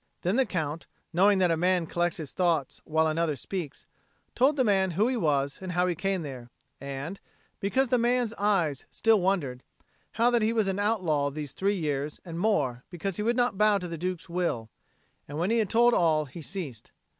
Then the Count, knowing that a man collects his thoughts while another speaks, told the man who he was and how he came there, and (because the man's eyes still wondered) how that he was an outlaw these three years and more because he would not bow to the Duke's will: and when he had told all, he ceased.